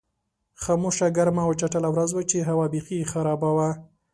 خاموشه، ګرمه او چټله ورځ وه چې هوا بېخي خرابه وه.